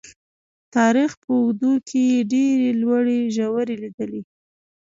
تاریخ په اوږدو کې یې ډېرې لوړې ژورې لیدلي.